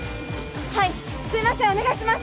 はいすいませんお願いします